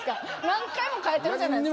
何回も変えてるじゃないですか。